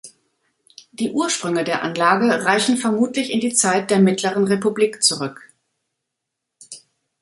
Die Ursprünge der Anlage reichen vermutlich in die Zeit der mittleren Republik zurück.